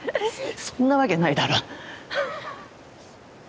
そんなわけないだろ。